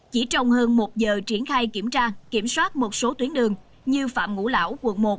chỉ trong hơn một giờ triển khai kiểm tra kiểm soát một số tuyến đường như phạm ngũ lão quận một